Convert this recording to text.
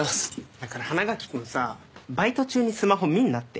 だから花垣君さバイト中にスマホ見んなって。